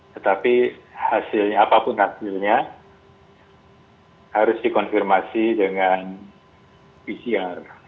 tetapi hasilnya apapun hasilnya harus dikonfirmasi dengan pcr